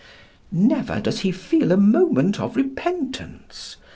" Never does he feel a moment of repentance.